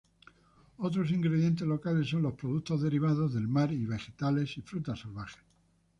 Otros ingredientes locales son los productos derivados del mar y vegetales y frutas salvajes.